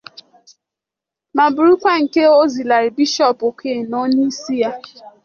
ma bụrụkwa nke Ọzịlarị Bishọọpụ Okoye nọ n'isi ya.